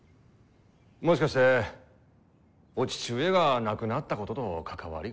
もしかしてお父上が亡くなったことと関わりが？